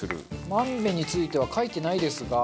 まんべんについては書いてないですが。